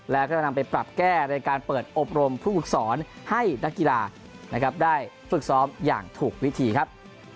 แล้วก็จะนำไปปรับแก้ในการเปิดอบรมผู้ฝึกสอนให้นักกีฬาได้ฝึกซ้อมอย่างถูกวิธีครับ